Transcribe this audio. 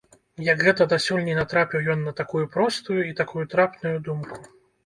Як гэта дасюль не натрапіў ён на такую простую і такую трапную думку!